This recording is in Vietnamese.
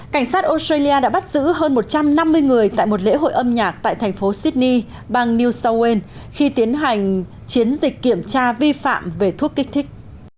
cảnh sát australia đã bắt giữ hơn một trăm năm mươi người tại một lễ hội âm nhạc tại thành phố sydney bang new south wales khi tiến hành chiến dịch kiểm tra vi phạm về thuốc kích thích